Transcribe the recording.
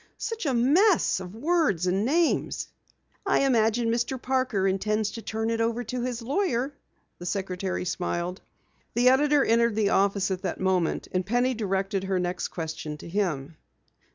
"Such a mess of words and names!" "I imagine Mr. Parker intends to turn it over to his lawyer," the secretary smiled. The editor entered the office at that moment, and Penny directed her next question to him.